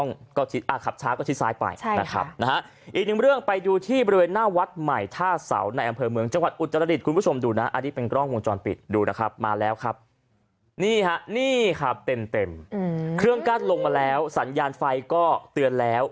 นี่ครับเต็มอืมเครื่องกล้าดลงมาแล้วสัญญาณไฟก็เตือนแล้ว